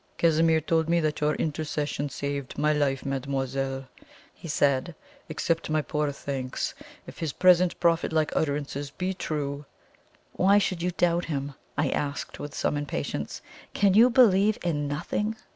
"Casimir told me that your intercession saved my life, mademoiselle," he said. "Accept my poor thanks. If his present prophet like utterances be true " "Why should you doubt him?" I asked, with some impatience. "Can you believe in NOTHING?"